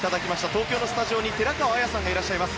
東京のスタジオに寺川綾さんがいます。